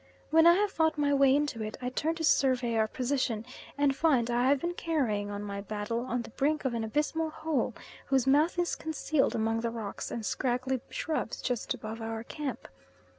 When I have fought my way into it, I turn to survey our position, and find I have been carrying on my battle on the brink of an abysmal hole whose mouth is concealed among the rocks and scraggly shrubs just above our camp.